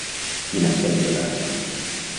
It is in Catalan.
Quina sèrie va gravar?